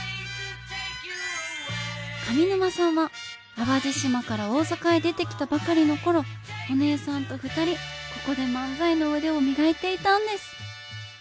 上沼さんは淡路島から大阪へ出てきたばかりの頃お姉さんと２人ここで漫才の腕を磨いていたんです